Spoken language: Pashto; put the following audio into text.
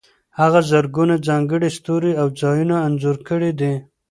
هغه زرګونه ځانګړي ستوري او ځایونه انځور کړي دي.